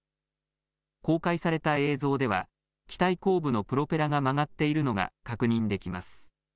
公開された映像では機体後部のプロペラが曲がっているのが確認できます。